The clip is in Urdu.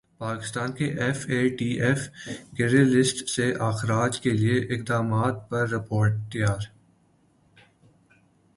پاکستان کے F A T F grey list سے اخراج کیلئے اقدامات پر رپورٹ تیار